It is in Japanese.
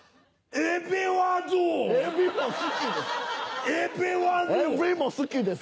エビも好きです。